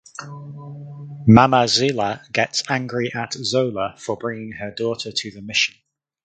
Mama Zila gets angry at Zola for bringing her daughter to the mission.